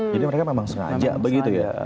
jadi mereka memang sengaja begitu ya